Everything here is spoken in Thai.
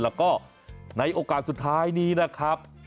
แล้วก็ในโอกาสสุดท้ายนี้นะครับ